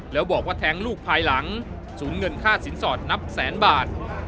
แล้วบอกว่าแท้งลูกภายหลังศูนย์เงินค่าสินสอดนับแสนบาท